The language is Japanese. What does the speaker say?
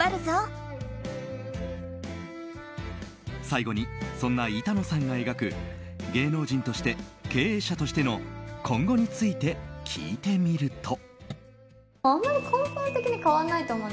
最後に、そんな板野さんが描く芸能人として、経営者としての今後について聞いてみると。